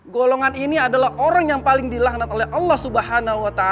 golongan ini adalah orang yang paling dilahanat oleh allah swt